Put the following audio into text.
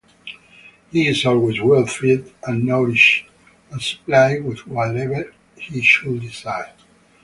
He is always well fed and nourished and supplied with whatever he should desire.